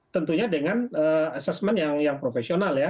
tentunya dengan aset aset yang profesional ya